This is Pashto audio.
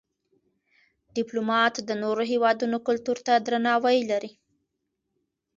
ډيپلومات د نورو هېوادونو کلتور ته درناوی لري.